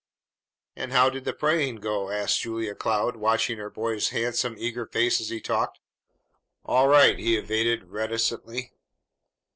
"And how did the praying go?" asked Julia Cloud, watching her boy's handsome, eager face as he talked. "All right," he evaded reticently.